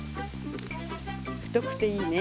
太くていいね。